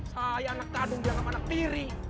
saya anak kadung di alam anak tiri